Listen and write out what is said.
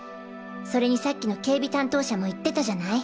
それにさっきの警備担当者も言ってたじゃない。